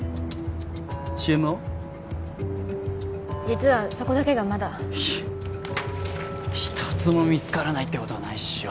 実はそこだけがまだ一つも見つからないってことはないっしょ